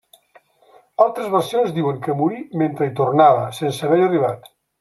Altres versions diuen que morí mentre hi tornava, sense haver-hi arribat.